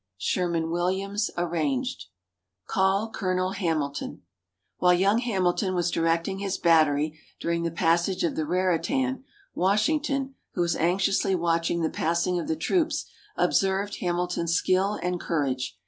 Sherman Williams (Arranged) CALL COLONEL HAMILTON While young Hamilton was directing his battery during the passage of the Raritan, Washington, who was anxiously watching the passing of the troops, observed Hamilton's skill and courage.